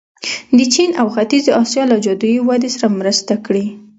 د چین او ختیځې اسیا له جادويي ودې سره یې مرسته کړې.